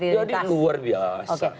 jadi luar biasa